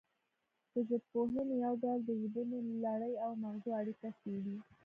د ژبپوهنې یو ډول د ژبنۍ لړۍ او مغزو اړیکه څیړي